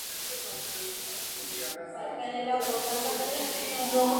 arakue ha pyharekue terere omoirũ maymavaitépe.